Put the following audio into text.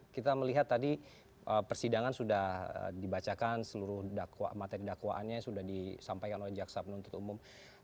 kita melihat tadi persidangan sudah dibacakan seluruh materi dakwaannya yang sudah disampaikan oleh jaksa penuntut umum